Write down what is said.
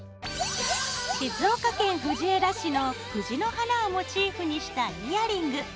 静岡県藤枝市の「藤の花」をモチーフにしたイヤリング。